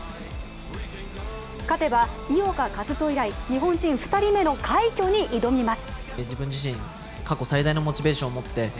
勝てば井岡一翔以来日本人２人目の快挙に挑みます。